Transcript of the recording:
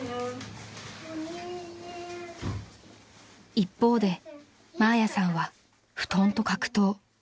［一方でマーヤさんは布団と格闘］